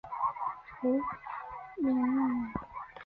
胡锦鸟。